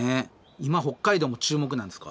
今北海道も注目なんですか？